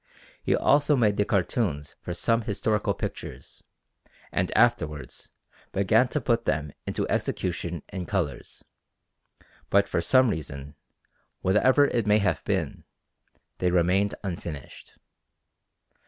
He also made the cartoons for some historical pictures, and afterwards began to put them into execution in colours; but for some reason, whatever it may have been, they remained unfinished.